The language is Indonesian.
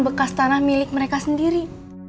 bekas tanah milik mereka sendiri